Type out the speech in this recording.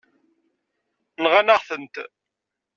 Nɣan-aɣ-tent.